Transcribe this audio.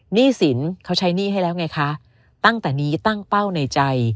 หนี้สินเขาใช้หนี้ให้แล้วไงคะตั้งแต่นี้ตั้งเป้าในใจ